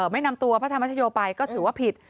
ไม่นำตัวพระธรรมชโยไปก็ถือว่าผิด